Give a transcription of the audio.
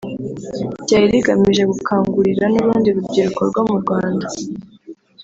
ryari rigamije gukangurira n’urundi rubyiruko rwo mu Rwanda